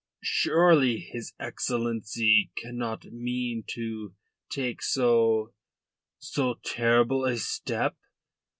surely his Excellency cannot mean to take so... so terrible a step?"